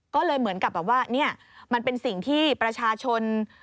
ก็เลยเหมือนกับแบบว่าเนี่ยมันเป็นสิ่งที่ประชาชน